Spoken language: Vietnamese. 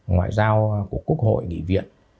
ngoại giao của quốc hội nghị viện